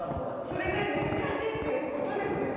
それぐらい難しいっていうことですよね？